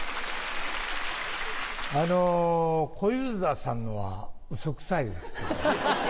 あの小遊三さんのはウソくさいですけど。